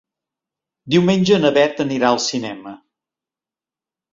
Diumenge na Bet anirà al cinema.